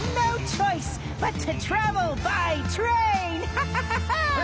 ハハハハ。